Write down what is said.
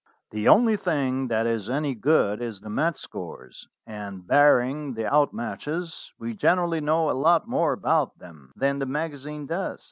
"The only thing that is any good is the match scores; and, barring the out matches, we generally know a lot more about them than the magazine does.